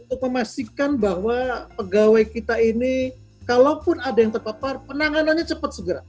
untuk memastikan bahwa pegawai kita ini kalaupun ada yang terpapar penanganannya cepat segera